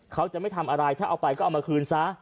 เขาจะไม่ทำอะไรถ้าเอาไปก็เอามาคืนซะ